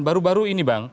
baru baru ini bang